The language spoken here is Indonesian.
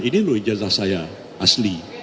ini loh ijazah saya asli